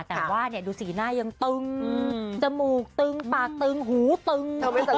แต่ว่าดูสีหน้ายังตึงจมูกตึงปากตึงหูตึง